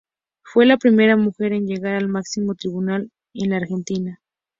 Fue la primera mujer en llegar al máximo tribunal en la Argentina.